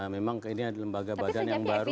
memang ini ada lembaga badan yang baru